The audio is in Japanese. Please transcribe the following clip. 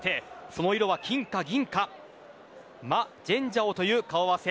その色は金か銀をマ・ジャンジャオという顔合わせ。